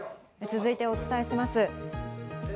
続いてお伝えします。